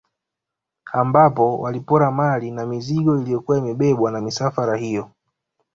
Ambao walipora mali na mizigo iliyokuwa inabebwa na misafara hiyo